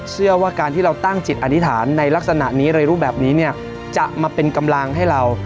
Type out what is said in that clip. เชื่อว่าการที่เราตั้งจิตอธิษฐานในลักษณะนี้ในรูปแบบนี้เนี่ยจะมาเป็นกำลังให้เรา